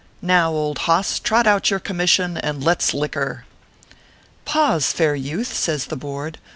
Now, old hoss, trot out your com mission and let s liquor." "Pause, fair youth," says the Board.